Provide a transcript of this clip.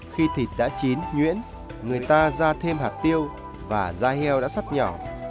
khi thịt đã chín nhuyễn người ta ra thêm hạt tiêu và da heo đã sắt nhỏ